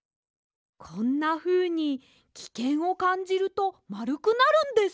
こんなふうにきけんをかんじるとまるくなるんです。